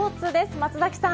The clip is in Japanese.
松崎さん。